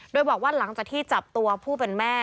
โดยบอกว่าหลังจากที่จับตัวผู้เป็นแม่